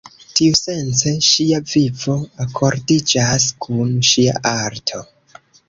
Tiusence, ŝia vivo akordiĝas kun ŝia arto.